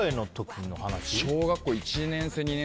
小学校１年生